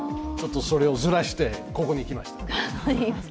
それをずらしてここに来ました。